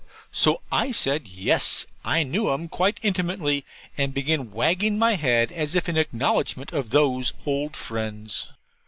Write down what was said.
So I said yes I knew 'em quite intimately; and began wagging my head as if in acknowledgment of those old friends.